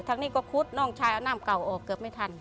ทางนี้ก็คุดน้องชายเอาน้ำเก่าออกเกือบไม่ทัน